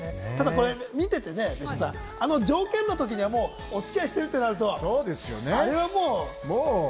見ててね、条件の時、お付き合いしてるってなると、あれはもう。